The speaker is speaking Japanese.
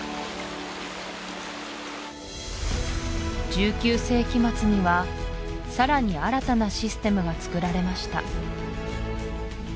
１９世紀末にはさらに新たなシステムがつくられました